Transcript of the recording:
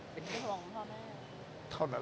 ยากนะ